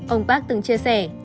ông park từng chia sẻ